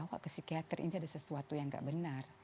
jadi saya dibawa ke psikiater ini ada sesuatu yang tidak benar